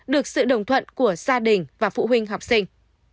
được sự đồng thuận của gia đình và phụ huynh học sinh